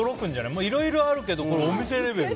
いろいろあるけどお店レベル。